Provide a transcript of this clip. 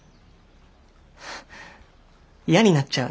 嫌になっちゃうね。